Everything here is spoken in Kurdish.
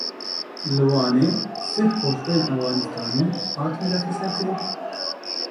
Li Wanê sih koçberên Efxanistanî hatin desteserkirin.